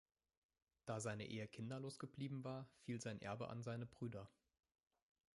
Da seine Ehe kinderlos geblieben war, fiel sein Erbe an seine Brüder.